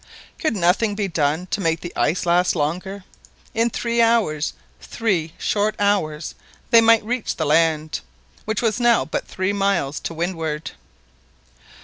Could nothing be done to make the ice last longer? In three hours, three short hours, they might reach the land, which was now but three miles to windward.